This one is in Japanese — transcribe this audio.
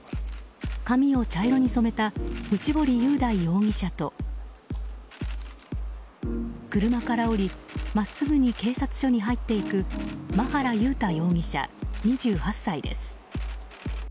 髪を茶色に染めた内堀雄大容疑者と車から降り真っすぐに警察署に入っていく馬原佑太容疑者、２８歳です。